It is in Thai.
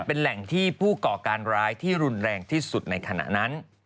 เป็นแหล่งที่ผู้ก่อการร้ายที่รุนแรงที่สุดในขณะนั้น